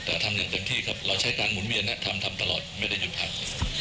แต่ทำอย่างเต็มที่ครับเราใช้การหมุนเวียนทำทำตลอดไม่ได้หยุดพัก